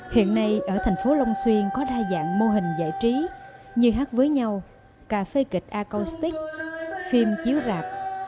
hiện nay ở tp hcm có đa dạng mô hình giải trí như hát với nhau cà phê kịch acoustic phim chiếu rạp